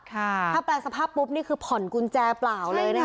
ถ้าแปลสภาพปุ๊บนี่คือผ่อนกุญแจเปล่าเลยนะคะ